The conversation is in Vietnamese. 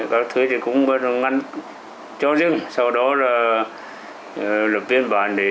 các thứ thì cũng ngăn cho dưng sau đó là lập biên bản để xử lý